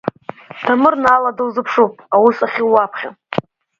Дамыр Наала дылзыԥшуп аус ахьылуа аԥхьа.